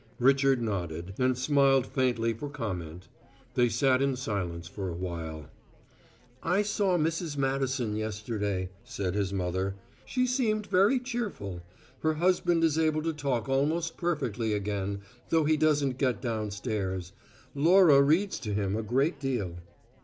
Richard nodded, and smiled faintly for comment. They sat in silence for a while. "I saw Mrs. Madison yesterday," said his mother. "She seemed very cheerful; her husband is able to talk almost perfectly again, though he doesn't get downstairs. Laura reads to him a great deal."